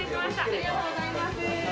ありがとうございます。